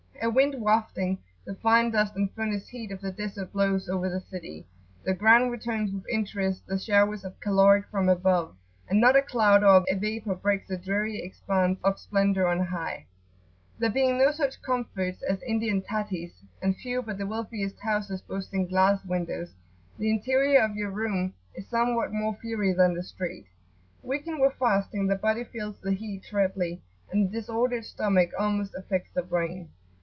A wind wafting the fine dust and furnace heat of the desert blows over the city; the ground returns with interest the showers of caloric from above, and not a cloud or a vapour breaks the dreary expanse of splendour on high. There being no such comforts as Indian tatties, and few but the wealthiest houses boasting glass windows, the interior of your room is somewhat more fiery than the street. Weakened with fasting, the body feels the heat trebly, and the disordered stomach almost affects the brain.